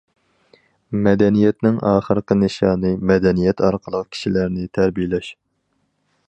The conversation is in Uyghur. مەدەنىيەتنىڭ ئاخىرقى نىشانى مەدەنىيەت ئارقىلىق كىشىلەرنى تەربىيەلەش.